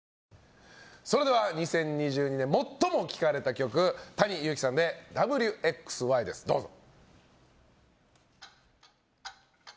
それでは２０２２年最も聴かれた曲ＴａｎｉＹｕｕｋｉさんで「Ｗ／Ｘ／Ｙ」です、どうぞ！